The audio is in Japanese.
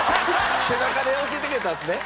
背中で教えてくれたんですね。